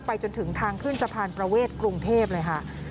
จนถึงทางขึ้นสะพานประเวทกรุงเทพเลยค่ะ